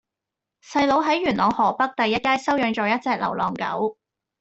細佬喺元朗河北第一街收養左一隻流浪狗